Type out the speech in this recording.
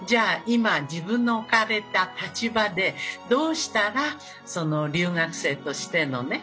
今自分の置かれた立場でどうしたら留学生としてのね